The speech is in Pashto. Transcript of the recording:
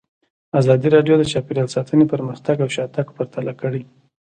ازادي راډیو د چاپیریال ساتنه پرمختګ او شاتګ پرتله کړی.